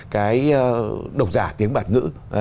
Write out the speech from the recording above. cái độc giả tiếng bản ngữ